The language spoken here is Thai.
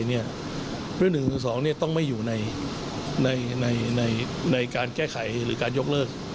ด้วย๑๑๒ต้องไม่อยู่ในการแก้ไขหรือการยกเลิก